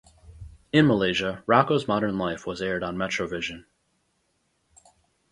In Malaysia, "Rocko's Modern Life" was aired on MetroVision.